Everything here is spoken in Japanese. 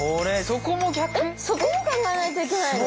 そこも考えないといけないの？